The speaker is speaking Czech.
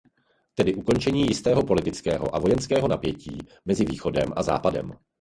Tedy ukončení jistého politického a vojenského napětí mezi východem a západem.